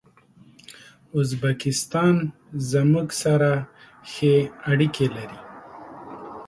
ازبکستان زموږ سره ښې اړیکي لري.